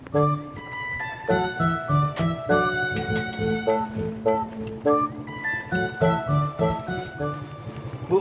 pak sofyan mau gak